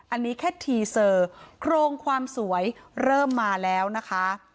อันนี้แค่ทีเซอร์โครงความสวยเริ่มมาแล้วนะคะ